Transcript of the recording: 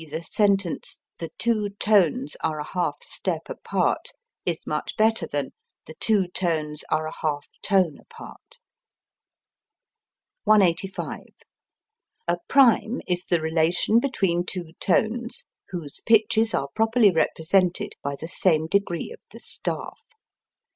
_, the sentence "The two tones are a half step apart" is much better than "The two tones are a half tone apart." 185. A prime is the relation between two tones whose pitches are properly represented by the same degree of the staff.